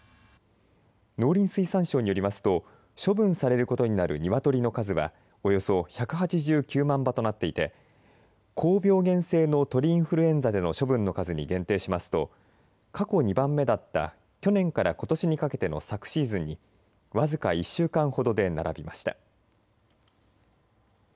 農林水産省によりますと処分されることになるニワトリの数はおよそ１８９万羽となっていて高病原性の鳥インフルエンザでの処分の数に限定しますと過去２番目だった去年からことしにかけての昨シーズンに僅か１週間ほどで並びました。